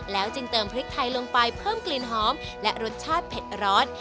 จึงเติมพริกไทยลงไปเพิ่มกลิ่นหอมและรสชาติเผ็ดร้อน